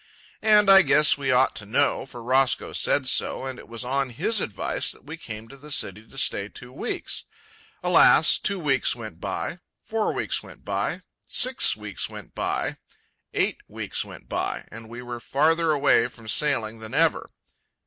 And I guess we ought to know, for Roscoe said so, and it was on his advice that we came to the city to stay two weeks. Alas, the two weeks went by, four weeks went by, six weeks went by, eight weeks went by, and we were farther away from sailing than ever.